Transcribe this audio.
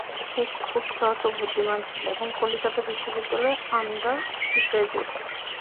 সে খুব সৎ ও বুদ্ধিমান ছেলে এবং কলিকাতা বিশ্ববিদ্যালয়ের আণ্ডারগ্রাজুয়েট।